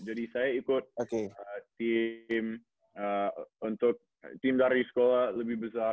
jadi saya ikut tim untuk tim dari sekolah lebih besar